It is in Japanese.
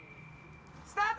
スタート！